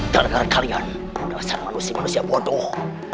dan dengan kalian dasar manusia manusia bodoh